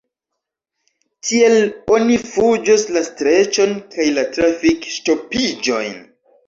Tiel oni fuĝos la streĉon kaj la trafikŝtopiĝojn!